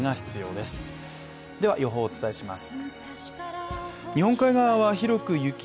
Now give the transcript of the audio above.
では予報をお伝えします。